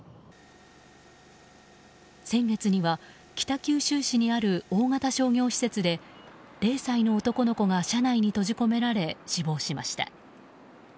先月には北九州市にある大型商業施設で０歳の男の子が車内に閉じ込められ死亡しました。